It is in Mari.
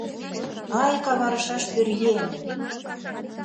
Ай, каварышаш пӧръеҥ!